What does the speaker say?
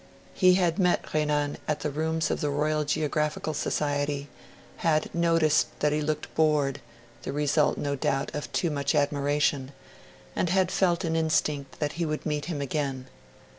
He had met Renan at the rooms of the Royal Geographical Society, had noticed that he looked bored the result, no doubt, of too much admiration and had felt an instinct that he would meet him again.